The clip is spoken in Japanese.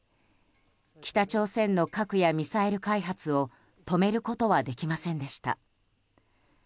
北朝鮮の核やミサイル開発を止めることはできませんでした。